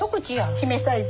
姫サイズ。